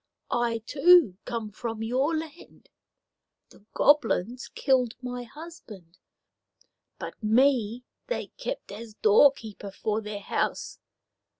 I, too, come from your land. The Goblins killed my husband, but me they kept as doorkeeper for their house.